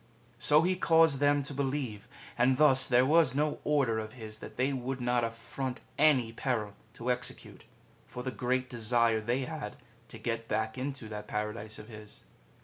So he caused them to believe; and thus there was no order of his that they would not affront any peril to execute, for the great desire they had to get back into that Paradise of his.